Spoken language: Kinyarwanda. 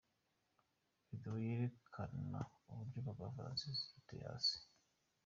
Video yerekana uburyo Papa Francis yituye hasi.